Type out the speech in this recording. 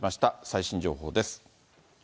最新情報です。